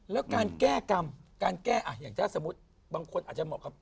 แล้วการแก้กรรมการแก้อย่างถ้าสมมุติบางคนอาจจะเหมาะกับ